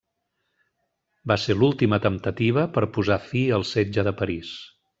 Va ser l'última temptativa per posar fi al setge de París.